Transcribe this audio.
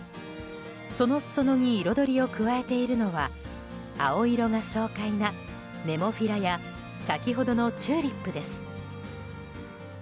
その裾野に彩りを加えているのは青色が爽快なネモフィラや先ほどのチューリップです。